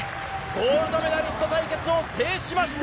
ゴールドメダリスト対決を制しました。